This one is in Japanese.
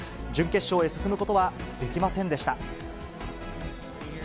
準決勝に進むことはできませんでした。